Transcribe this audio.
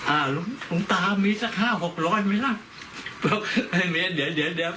อ้าลุงตามีสักห้าหกร้อยไหมล่ะเรียยยเดี๋ยว